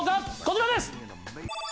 こちらです！